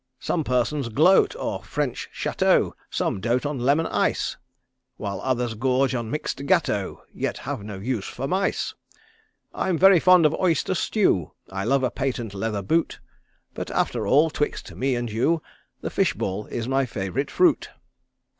Some persons gloat o'er French Chateaux; Some dote on lemon ice; While others gorge on mixed gateaux, Yet have no use for mice. I'm very fond of oyster stew, I love a patent leather boot, But after all, 'twixt me and you, The fish ball is my favourite fruit.'"